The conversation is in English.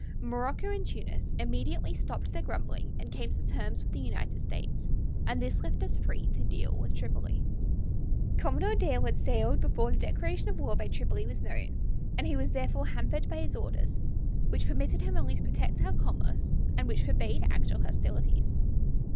Morocco and Tunis immediately stopped their grumbling and came to terms with the United States, and this left us free to deal with Tripoli. Commodore Dale had sailed before the declaration of war by Tripoli was known, and he was therefore hampered by his orders, which permitted him only to protect our commerce, and which forbade actual hostilities.